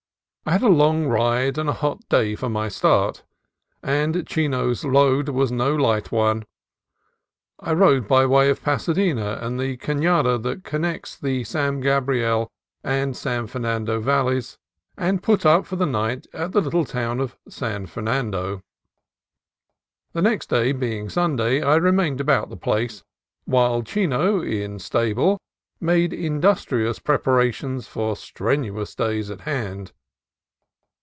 I had a long ride and a hot day for my start, and Chino's load was no light one. I rode by way of Pasadena and the Canada which connects the San Gabriel and San Fernando Valleys, and put up for the night at the little town of San Fernando. The next day being Sunday I remained about the place, while Chino, in stable, made industrious preparations for strenuous days at hand.